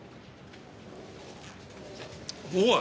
おい！